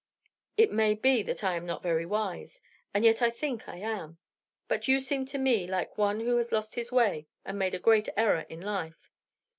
It may be that I am not very wise and yet I think I am but you seem to me like one who has lost his way and made a great error in life.